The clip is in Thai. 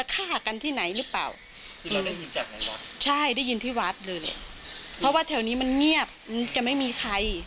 กระทัดเรื่อยเลยเพราะว่าแถวนี้มันเงียบจะไม่มีใคร